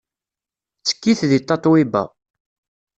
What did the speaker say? Ttekkit deg Tatoeba.